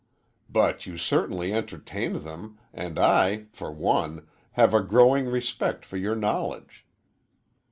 "But you certainly entertained them, and I, for one, have a growing respect for your knowledge."